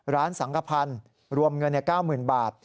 ร้านสังกะพันธ์รวมเงินใน๙๐๐๐๐บาท